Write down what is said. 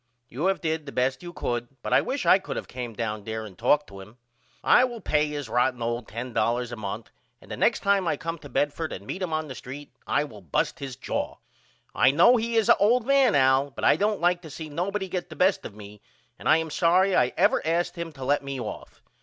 You have did the best you could but I wish I could of came down there and talked to him. I will pay him his rotten old $10 a month and the next time I come to Bedford and meet him on the street I will bust his jaw. I know he is a old man Al but I don't like to see nobody get the best of me and I am sorry I ever asked him to let me off.